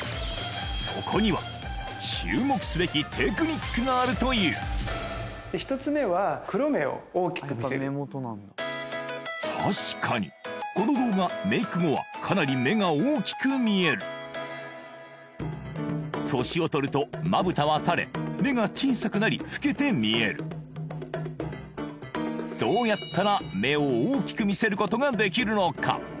そこには注目すべきテクニックがあるという確かにこの動画メイク後はかなり目が大きく見える年をとるとまぶたはたれ目が小さくなり老けて見えるどうやったら目を大きく見せることができるのか？